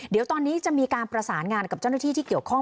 เดี๋ยวตอนนี้จะมีการประสานงานกับเจ้าหน้าที่ที่เกี่ยวข้อง